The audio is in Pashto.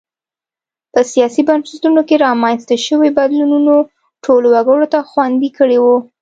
په سیاسي بنسټونو کې رامنځته شویو بدلونونو ټولو وګړو ته خوندي کړي وو.